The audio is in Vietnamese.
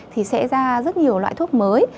thì sẽ ra rất nhiều loại thuốc mới